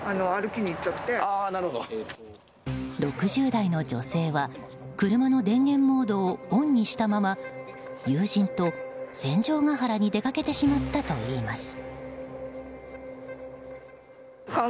６０代の女性は車の電源モードをオンにしたまま友人と戦場ヶ原に出かけてしまったといいます。